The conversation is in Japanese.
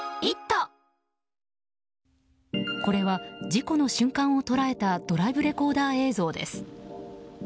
これは事故の瞬間を捉えたドライブレコーダー映像です。